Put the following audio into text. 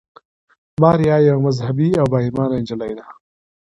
ماریا یوه مذهبي او با ایمانه نجلۍ ده.